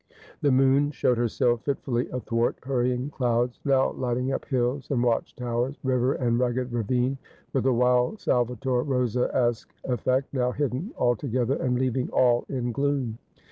The moon showed herself fitfully athwart hurrying clouds, now lighting up hills and watch towers, river and rugged ravine, with a wild Salvator Rosa esque effect, now hidden altogether, and leaving all in gloom.